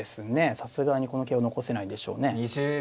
さすがにこの桂を残せないでしょうね。